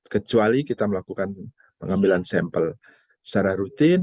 kecuali kita melakukan pengambilan sampel secara rutin